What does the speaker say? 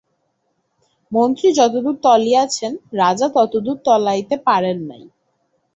মন্ত্রী যতদূর তলাইয়াছিলেন, রাজা ততদূর তলাইতে পারেন নাই।